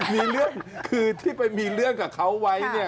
มีเรื่องคือที่ไปมีเรื่องกับเขาไว้เนี่ย